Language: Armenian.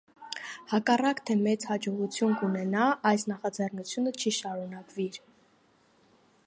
Հակառակ թէ մեծ յաջողութիւն կ՛ունենայ, այս նախաձեռնութիւնը չի շարունակուիր։